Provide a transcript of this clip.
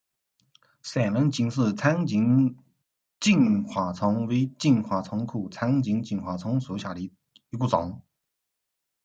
三轮氏长颈金花虫为金花虫科长颈金花虫属下的一个种。